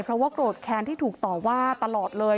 เพราะว่าโกรธแค้นที่ถูกต่อว่าตลอดเลย